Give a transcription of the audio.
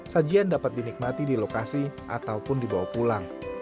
sajian dapat dinikmati di lokasi ataupun dibawa pulang